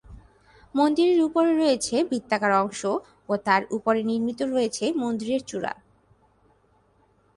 মন্দিরের উপরে রয়েছে বৃত্তাকার অংশ ও তার উপরে নির্মিত হয়েছে মন্দিরের চূরা।